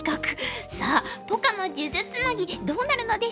さあポカの数珠つなぎどうなるのでしょうか。